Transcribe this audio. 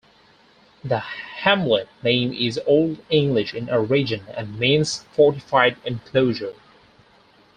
The hamlet name is Old English in origin, and means 'fortified enclosure'.